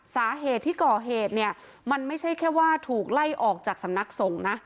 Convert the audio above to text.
สาเหตุที่ก่อเหตุเนี่ยมันไม่ใช่แค่ว่าถูกไล่ออกจากสำนักสงฆ์นะ